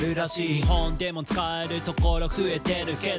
「日本でも使えるところ増えてるけど」